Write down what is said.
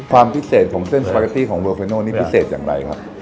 ความพิเศษของเส้นสปาเกตตี้ของโรเฟโน่นี่พิเศษอย่างไรครับ